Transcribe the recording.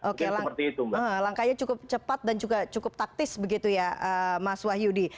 oke langkahnya cukup cepat dan juga cukup taktis begitu ya mas wahyudi